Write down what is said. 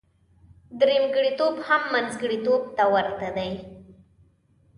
درېمګړتوب هم منځګړتوب ته ورته دی.